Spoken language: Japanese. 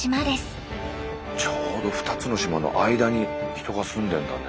ちょうど２つの島の間に人が住んでんだね。